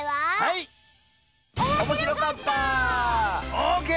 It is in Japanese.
オーケー！